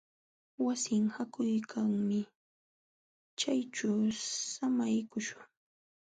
Wasin haakuykanmi. Chayćhu samaykuśhun.